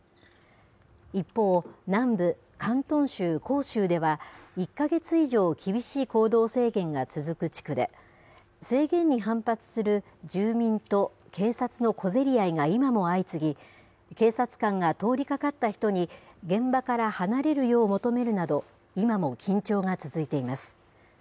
一方、南部広東省広州では、１か月以上、厳しい行動制限が続く地区で、制限に反発する住民と警察の小競り合いが今も相次ぎ、警察官が通りかかった人に、現場から離れるよう求めるなど、今も緊張が続いています。